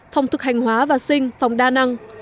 phòng thực hành hóa và sinh phòng đa năng